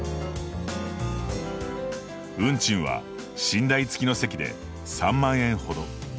運賃は寝台付きの席で３万円ほど。